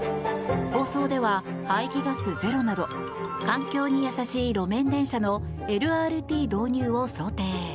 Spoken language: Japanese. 構想では排気ガスゼロなど環境に優しい路面電車のＬＲＴ導入を想定。